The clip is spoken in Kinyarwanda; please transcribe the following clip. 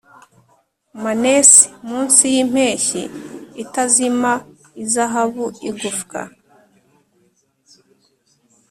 manes, munsi yimpeshyi itazima izahabu igufwa,